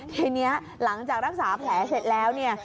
ทีนี้หลังจากรักษาแผลเสร็จแล้วเนี่ย